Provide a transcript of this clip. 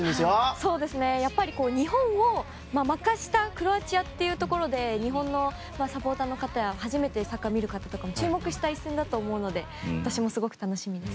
やっぱり、日本を負かしたクロアチアっていうところで日本のサポーターの方や初めてサッカー見る方とかも注目した一戦だと思うので私もすごく楽しみです。